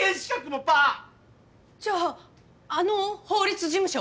じゃああの法律事務所は？